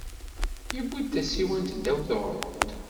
Yewwi-d tasiwant ddaw teɣruḍt.